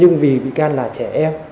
nhưng vì bị can là trẻ em